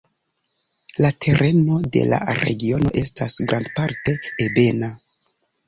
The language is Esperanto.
La tereno de la regiono estas grandparte ebena.